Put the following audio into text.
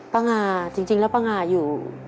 ป้าง่าจริงแล้วป้าง่าอยู่